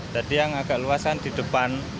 jadi yang agak luas kan di depan